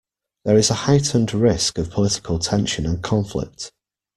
There is a heightened risk of political tension and conflict.